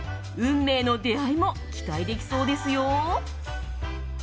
運命の出会いも期待できそうですよ。